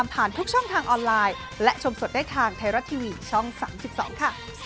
มันเชิงไทยรัก